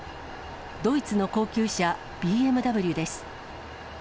ドイツの高級車、ＢＭＷです。